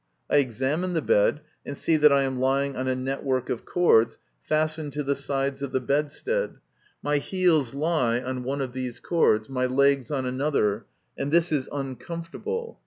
I examine the bed, and see that I am lying on a network of cords fastened to the sides of the bedstead. My heels lie on one of these cords, my legs on another, and this is uncomfortable.